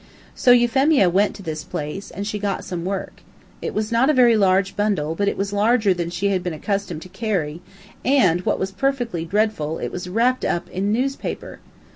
So Euphemia went to this place, and she got some work. It was not a very large bundle, but it was larger than she had been accustomed to carry, and, what was perfectly dreadful, it was wrapped up in a newspaper!